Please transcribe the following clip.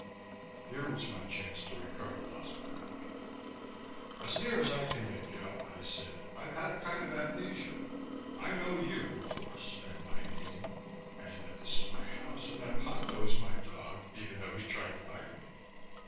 Here was my chance to recover lost ground. "As near as I can make out," I said, "I've had a kind of amnesia. I know you, of course, and my name, and that this is my house and that Ponto is my dog, even though he tried to bite me.